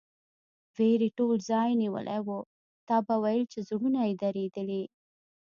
وېرې ټول ځای نیولی و، تا به ویل چې زړونه یې درېدلي.